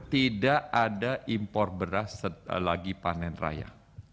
tidak ada impor beras lagi panen raya